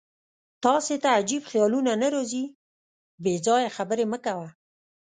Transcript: تاسې ته عجیب خیالونه نه راځي؟ بېځایه خبرې مه کوه.